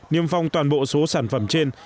niêm phong toàn bộ số sản phẩm trên